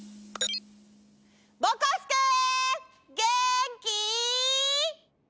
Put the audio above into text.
ぼこすけげんき？